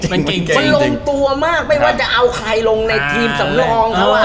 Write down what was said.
มันลงตัวมากไม่ว่าจะเอาใครลงในทีมสำรองเขาอ่ะ